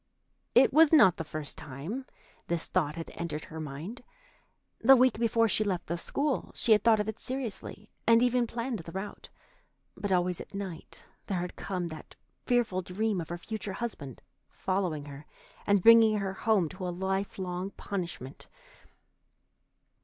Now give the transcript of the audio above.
It was not the first time this thought had entered her mind. The week before she left the school, she had thought of it seriously, and even planned the route, but always at night there had come that fearful dream of her future husband following her, and bringing her home to a life long punishment.